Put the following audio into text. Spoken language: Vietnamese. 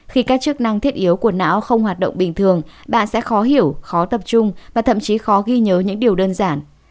khi các chức năng thiết yếu của não không hoạt động bình thường bạn sẽ khó hiểu khó tập trung và thậm chí khó ghi nhớ những điều đơn giản